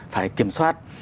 phải kiểm soát